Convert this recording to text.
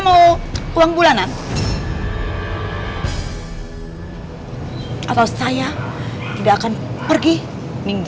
kapan aku akan mengatakan tentangmu